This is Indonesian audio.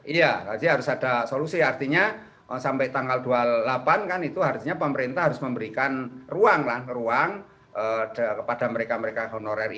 iya jadi harus ada solusi artinya sampai tanggal dua puluh delapan kan itu harusnya pemerintah harus memberikan ruang lah ruang kepada mereka mereka honorer